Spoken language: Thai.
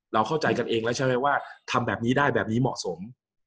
เราเข้าใจกันเองแล้วใช่ไหมว่าทำแบบนี้ได้แบบนี้เหมาะสม